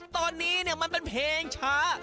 ตอนนี้มันเป็นเพลงช้า